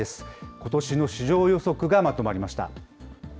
ことしの市場予測がまとまりました。